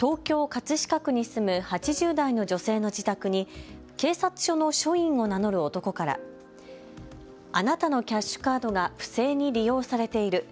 葛飾区に住む８０代の女性の自宅に警察署の署員を名乗る男からあなたのキャッシュカードが不正に利用されている。